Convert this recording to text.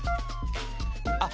あっ！